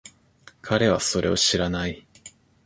彼はそれを知らない。